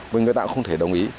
mình người ta cũng không thể đồng ý